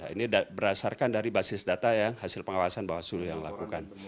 ini berasarkan dari basis data yang hasil pengawasan bawah seluruh yang lakukan